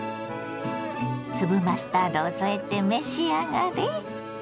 粒マスタードを添えて召し上がれ。